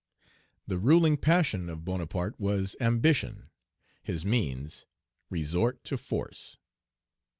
The ruling passion of Bonaparte was ambition; his means, resort to force.